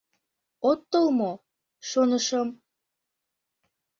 От тол мо, шонышым...